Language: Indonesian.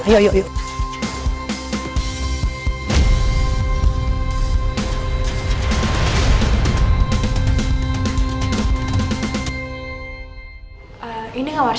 terus jatuh drlair